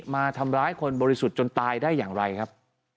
มาทำร้ายคนบริสุทธิ์จนตายได้อย่างไรครับ